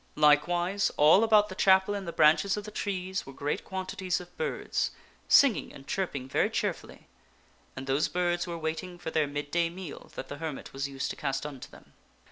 Likewise all about the chapel in the branches of the trees were great quantities of birds, singing and chirping very cheerfully. And those birds were waiting for their mid day meal that the hermit was used to cast unto them.